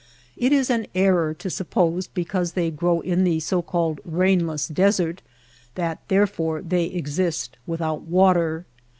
It is an error to suppose because they grow in the so called ^^ rainless desert^' that therefore they exist without water.